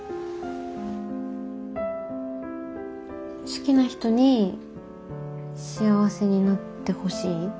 好きな人に幸せになってほしいとか。